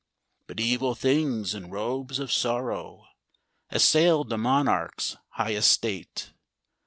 But evil things, in robes of sorrow, Assailed the monarch's high estate.